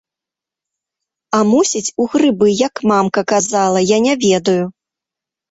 А мусіць, у грыбы, як мамка казала, я не ведаю.